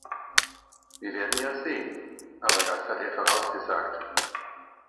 Wir werden ja sehen, aber das hat er vorausgesagt.